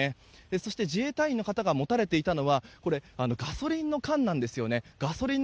そして自衛隊員の方が持たれていたのはガソリンの缶なんです。